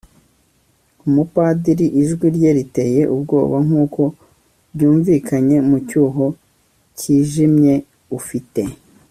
umupadiri, ijwi rye riteye ubwoba nkuko ryumvikanye mu cyuho cyijimye. ufite